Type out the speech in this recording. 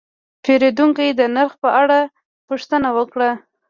پیرودونکی د نرخ په اړه پوښتنه وکړه.